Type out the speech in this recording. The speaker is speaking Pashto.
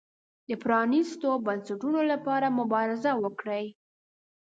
د پرانیستو بنسټونو لپاره مبارزه وکړي.